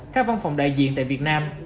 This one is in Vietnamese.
các văn phòng đại diện tại việt nam